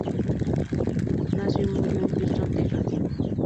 Nació y murió en Houston, Texas.